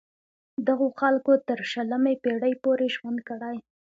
دغو خلکو تر شلمې پیړۍ پورې ژوند کړی.